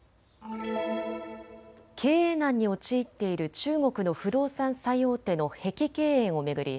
経営難に陥っている中国の不動産最大手の碧桂園を巡り